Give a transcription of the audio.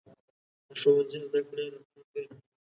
د ښوونځي زده کړه راتلونکې رڼا ده.